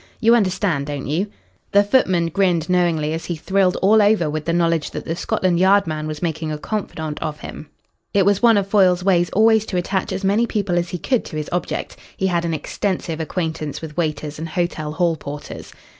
"You understand, don't you?" The footman grinned knowingly as he thrilled all over with the knowledge that the Scotland Yard man was making a confidant of him. It was one of Foyle's ways always to attach as many people as he could to his object. He had an extensive acquaintance with waiters and hotel hall porters.